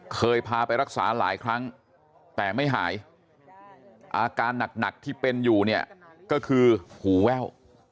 เคยพาไปรักษาหลายครั้งแต่ไม่หายอาการหนักที่เป็นอยู่เนี่ยก็คือหูแว่ว